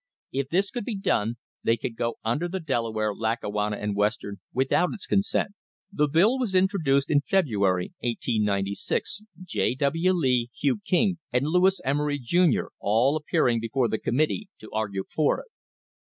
If this could be done they could go under the Delaware, Lackawanna and Western without its consent. The bill was introduced in February, 1896, J. W. Lee, Hugh King and Lewis Emery, Jr., all appearing before the com mittee to argue for it.